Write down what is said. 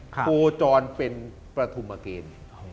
โคจรเป็นประธุมเกณฑ์